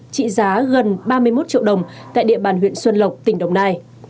trị giá gần ba mươi một triệu đồng tại địa bàn huyện xuân lộc tỉnh đồng nai